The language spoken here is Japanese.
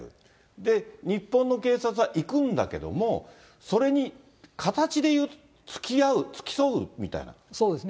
で、日本の警察は行くんだけれども、それに形でつきあう、そうですね。